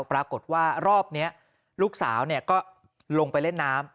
ปรากฏว่ารอบนี้ลูกสาวก็ลงไปเล่นน้ำ